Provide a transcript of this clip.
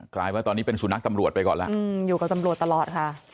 ลายว่าตอนนี้เป็นสุนัขตำรวจไปก่อนแล้วอยู่กับตำรวจตลอดค่ะ